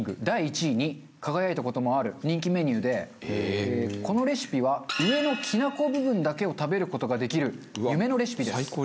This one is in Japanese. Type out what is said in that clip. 第１位に輝いた事もある人気メニューでこのレシピは上のきな粉部分だけを食べる事ができる夢のレシピです。